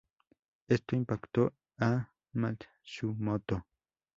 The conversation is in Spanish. Esto impactó a Matsumoto.